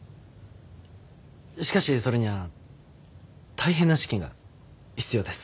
しかしそれには大変な資金が必要です。